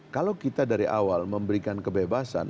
kalau kita dari awal memberikan kebebasan